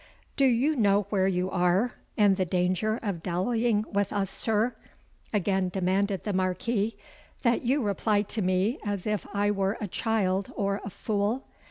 "Do you know where you are, and the danger of dallying with us, sir," again demanded the Marquis, "that you reply to me as if I were a child or a fool?